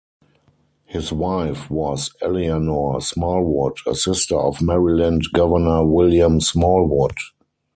His wife was Eleanor Smallwood, a sister of Maryland Governor William Smallwood.